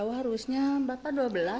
gak tau harusnya berapa dua belas